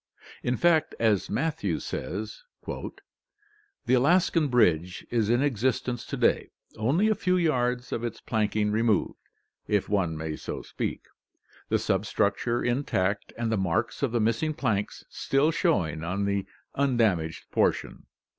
In fact, as Matthew says: "The Alaskan bridge is in existence to day, only a few yards of its planking removed, if one may so speak, the substructure intact, and the marks of the missing planks still showing on the undamaged portion."